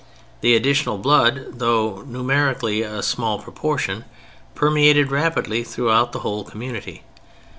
The additional blood, though numerically a small proportion, permeated rapidly throughout the whole community.